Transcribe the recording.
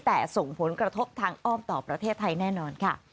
แต่ส่งผลกระทบทางอ้อมต่อประเทศไทยแน่นอนค่ะ